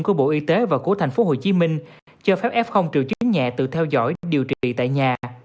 của bộ y tế và của thành phố hồ chí minh cho phép f triệu chứng nhẹ tự theo dõi điều trị tại nhà